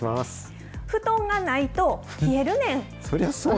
布団がないと冷えるねん。